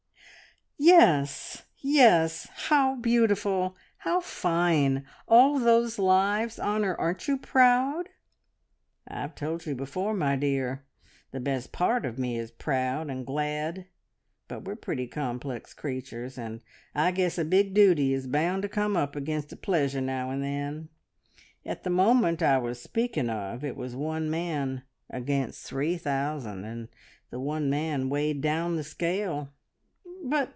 "Yes, yes! How beautiful! How fine! All those lives ... Honor, aren't you proud?" "I've told you before, my dear. The best part of me is proud and glad, but we're pretty complex creatures, and I guess a big duty is bound to come up against a pleasure now and then. At the moment I was speaking of, it was one man against three thousand, and the one man weighed down the scale." "But